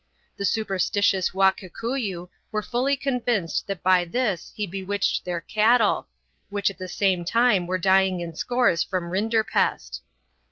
The superstitious Wa Kikuyu were fully convinced that by this he bewitched their cattle, which at the time were dying in scores from rinderpest.